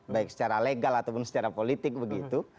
baik secara legal ataupun secara politik begitu